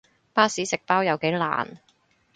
巴士食包有幾難